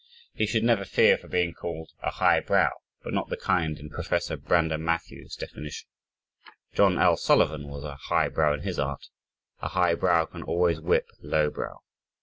He should never fear of being called a high brow but not the kind in Prof. Brander Matthews' definition. John L. Sullivan was a "high brow" in his art. A high brow can always whip a low brow.